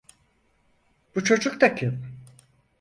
Bu çocuk da kim?